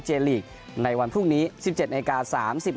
ลีกในวันพรุ่งนี้๑๗นาที